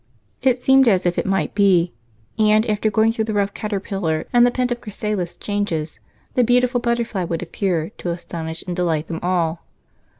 It seemed as if it might be; and, after going through the rough caterpillar and the pent up chrysalis changes, the beautiful butterfly would appear to astonish and delight them all.